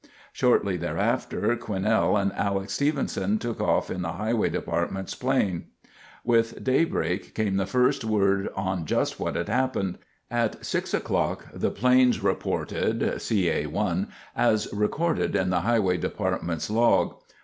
Shortly thereafter Quinnell and Alex Stephenson took off in the Highway Department's plane. With daybreak came the first word on just what had happened. At 6 o'clock the planes reported (CA 1) as recorded in the Highway Department's log.